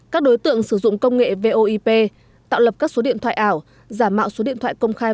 các đối tượng sử dụng công nghệ voip tạo lập các số điện thoại ảo giả mạo số điện thoại công khai